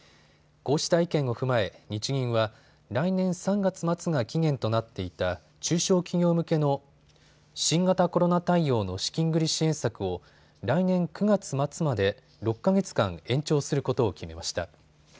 こうした意見を踏まえ日銀は来年３月末が期限となっていた中小企業向けの新型コロナ対応の資金繰り支援策を来年９月末まで６か月間延長することを決めました。